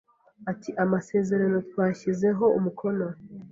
Ati Amasezerano twashyizeho umukono,